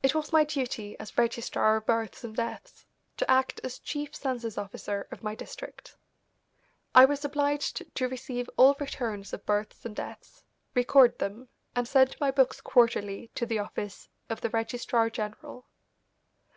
It was my duty as registrar of births and deaths to act as chief census officer of my district; I was obliged to receive all returns of births and deaths, record them, and send my books quarterly to the office of the registrar general.